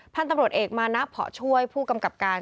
พันธุ์ตำรวจเอกมานะเพาะช่วยผู้กำกับการ